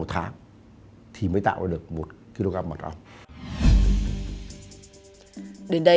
hẹn gặp lại